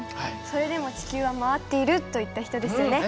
「それでも地球は回っている」と言った人ですよね？